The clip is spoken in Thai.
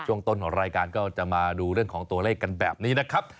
ช่วงต้นของรายการก็จะมาดูเรื่องของตัวเลขกันแบบนี้นะครับ